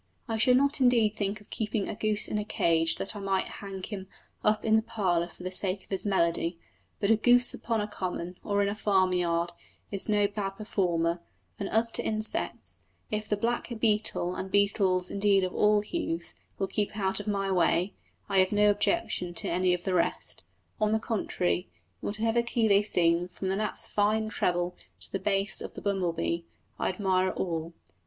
I should not indeed think of keeping a goose in a cage that I might hang him up in the parlour for the sake of his melody, but a goose upon a common, or in a farmyard, is no bad performer; and as to insects, if the black beetle, and beetles indeed of all hues, will keep out of my way, I have no objection to any of the rest; on the contrary, in whatever key they sing, from the gnat's fine treble to the bass of the bumble bee, I admire all.